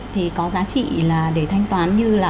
thì có giá trị là để thanh toán như là